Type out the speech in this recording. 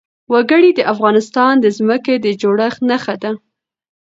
وګړي د افغانستان د ځمکې د جوړښت نښه ده.